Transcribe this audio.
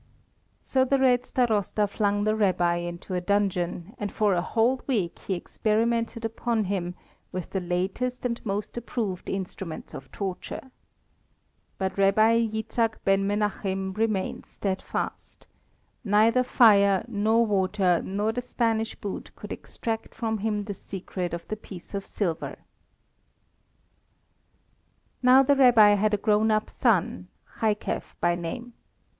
So the Red Starosta flung the Rabbi into a dungeon, and for a whole week he experimented upon him with the latest and most approved instruments of torture. But Rabbi Jitzchak Ben Menachim remained steadfast. Neither fire, nor water, nor the Spanish boot could extract from him the secret of the piece of silver. Now the Rabbi had a grown up son, Jaikef by name.